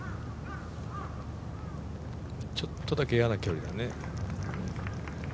ちょっとだけ嫌な距離だね。